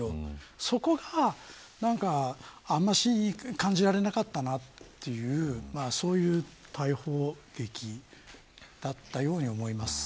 そこがあんまり感じられなかったなというそういう逮捕劇だったように思います。